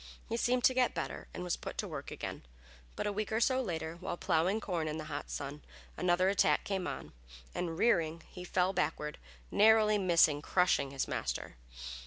He seemed to get better and was put to work again, but a week or so later, while plowing corn in the hot sun, another attack came on, and rearing, he fell backward, narrowly missing crushing his master.